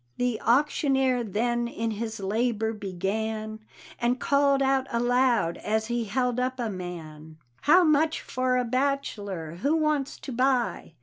The auctioneer then in his labor began, And called out aloud, as he held up a man, "How much for a bachelor? Who wants to buy?"